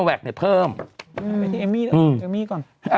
ถ่ายไปที่เอมมี่นะเอมมี่ก่อน